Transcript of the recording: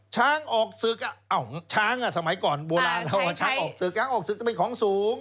ช้างออกศึกช้างสมัยก่อนโบราณเราช้างออกศึกช้างออกศึกก็เป็นของสูง